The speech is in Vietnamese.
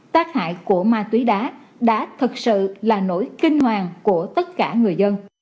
tác hại của ma túy đá đã thực sự là nỗi kinh hoàng của tất cả người dân